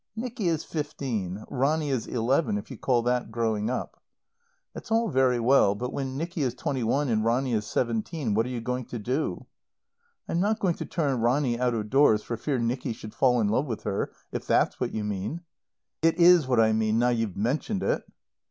"Nicky is fifteen; Ronny is eleven, if you call that growing up." "That's all very well, but when Nicky is twenty one and Ronny is seventeen what are you going to do?" "I'm not going to turn Ronny out of doors for fear Nicky should fall in love with her, if that's what you mean." "It is what I mean, now you've mentioned it."